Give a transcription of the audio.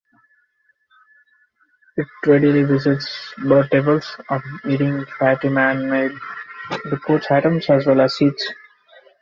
It readily visits bird tables, eating fatty man-made food items as well as seeds.